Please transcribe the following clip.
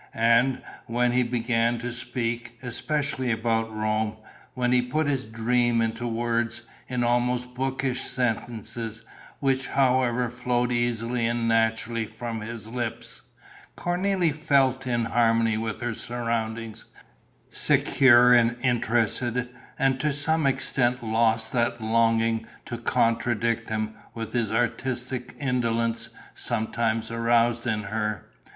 And, when he began to speak, especially about Rome, when he put his dream into words, in almost bookish sentences, which however flowed easily and naturally from his lips, Cornélie felt in harmony with her surroundings, secure and interested and to some extent lost that longing to contradict him which his artistic indolence sometimes aroused in her.